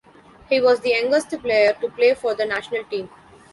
He was the youngest player to play for the national team.